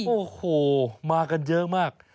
โอ้โหมากันเยอะมาก